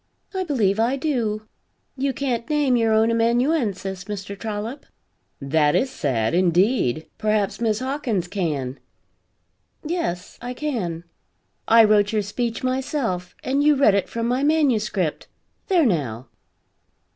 "I believe I do. You can't name your own amanuensis, Mr. Trollop." "That is sad, indeed. Perhaps Miss Hawkins can?" "Yes, I can. I wrote your speech myself, and you read it from my manuscript. There, now!"